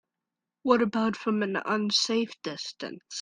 What about from an unsafe distance?